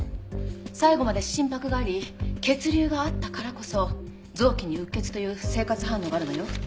最後まで心拍があり血流があったからこそ臓器にうっ血という生活反応があるのよ。